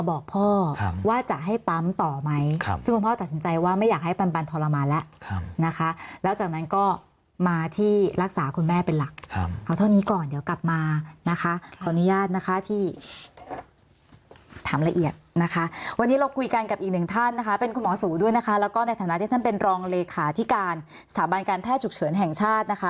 บอกพ่อว่าจะให้ปั๊มต่อไหมซึ่งคุณพ่อตัดสินใจว่าไม่อยากให้ปันทรมานแล้วนะคะแล้วจากนั้นก็มาที่รักษาคุณแม่เป็นหลักเอาเท่านี้ก่อนเดี๋ยวกลับมานะคะขออนุญาตนะคะที่ถามละเอียดนะคะวันนี้เราคุยกันกับอีกหนึ่งท่านนะคะเป็นคุณหมอสูด้วยนะคะแล้วก็ในฐานะที่ท่านเป็นรองเลขาที่การสถาบันการแพทย์ฉุกเฉินแห่งชาตินะคะ